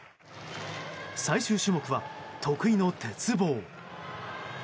最終種目は、得意の鉄棒。